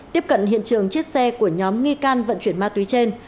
tiếp cận hiện trường chiếc xe của nhóm nghi can vận chuyển ma túy trên